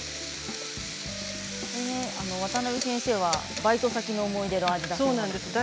渡辺先生はバイト先の思い出があるそうです。